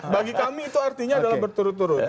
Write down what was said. bagi kami itu artinya adalah berturut turut